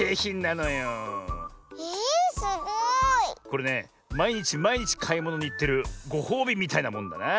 これねまいにちまいにちかいものにいってるごほうびみたいなもんだな。